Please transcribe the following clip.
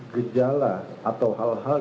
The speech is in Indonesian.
gejala atau hal hal